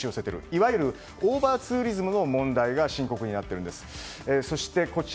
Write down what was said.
いわゆるオーバーツーリズムの問題が深刻になっているんです。